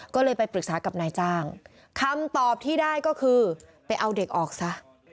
ก็เลยไปปรึกษากับนายจ้างคำตอบที่ได้ก็คือไปเอาเด็กออกซะ